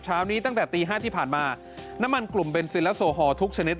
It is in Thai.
เช้านี้ตั้งแต่ตี๕ที่ผ่านมาน้ำมันกลุ่มเบนซินและโซฮอลทุกชนิด